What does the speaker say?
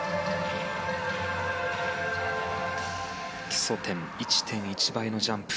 基礎点１．１倍のジャンプ。